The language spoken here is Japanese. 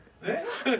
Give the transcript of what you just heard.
えっ？